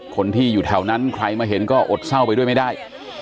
คนที่อยู่แถวนั้นใครมาเห็นก็อดเศร้าไปด้วยไม่ได้